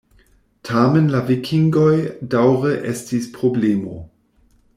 Tamen la vikingoj daŭre estis problemo.